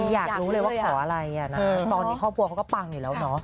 อยากรู้เลยว่าขออะไรตอนนี้ครอบครัวเขาก็ปังอยู่แล้วเนาะ